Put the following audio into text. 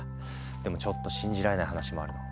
でもちょっと信じられない話もあるの。